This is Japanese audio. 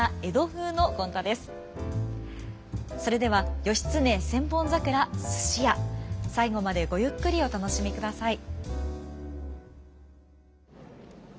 それでは「義経千本桜すし屋」最後までごゆっくりお楽しみください。